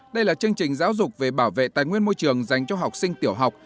đây là chương trình giáo dục về bảo vệ tài nguyên môi trường dành cho học sinh tiểu học